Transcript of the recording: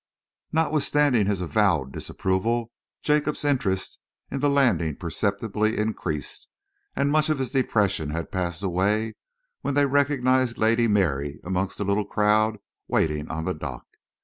Notwithstanding his avowed disapproval, Jacob's interest in the landing perceptibly increased, and much of his depression had passed away when they recognised Lady Mary amongst the little crowd waiting on the dock.